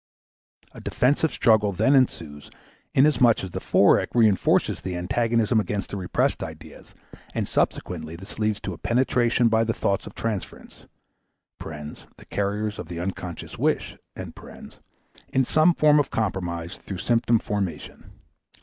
A defensive struggle then ensues, inasmuch as the Forec. reinforces the antagonism against the repressed ideas, and subsequently this leads to a penetration by the thoughts of transference (the carriers of the unconscious wish) in some form of compromise through symptom formation.